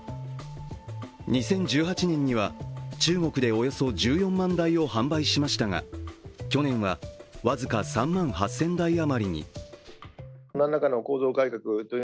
２０１８年には中国でおよそ１４万台を販売しましたが去年は僅か３万８０００台余りに。